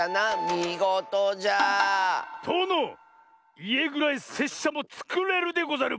みごとじゃ！とのいえぐらいせっしゃもつくれるでござる！